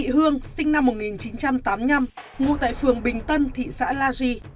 hương sinh năm một nghìn chín trăm tám mươi năm ngủ tại phường bình tân thị xã la ri